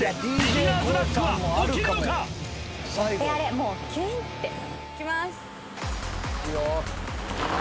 もうキュインっていきます！